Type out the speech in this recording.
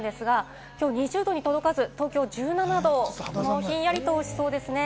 最高気温は今日２０度に届かず、今日１７度、ひんやりとしそうです。